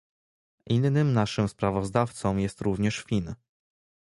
Innym naszym sprawozdawcą jest również Fin